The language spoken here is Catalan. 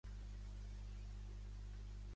Aló les potes davanteres com un cavall content.